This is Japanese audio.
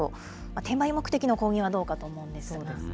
転売目的の購入はどうかと思うんですが。